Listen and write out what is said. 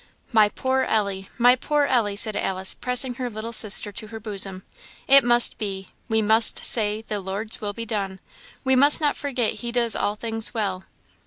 "My poor Ellie! my poor Ellie!" said Alice, pressing her little sister to her bosom "it must be! We must say 'the Lord's will be done;' we must not forget he does all things well."